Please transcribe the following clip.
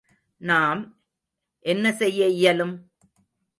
நாம் என்ன செய்ய இயலும்?